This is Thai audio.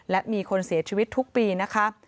และมีคนเสียชีวิตทุกปีนะคะ